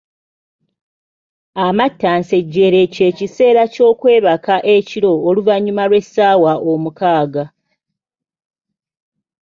Amattansejjere ky'ekiseera ky’okwebaka eky’ekiro oluvannyuma lw’essaawa omukaaga.